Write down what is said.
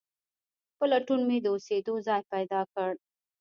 په لټون مې د اوسېدو ځای پیدا کړ.